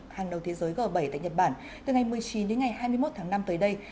hàng đầu thế giới g bảy tại nhật bản từ ngày một mươi chín đến ngày hai mươi một tháng năm tới đây